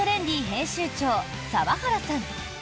編集長澤原さん。